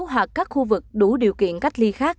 hoặc các khu vực đủ điều kiện cách ly khác